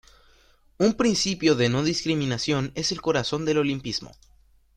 Un principio de no discriminación es el corazón del Olimpismo.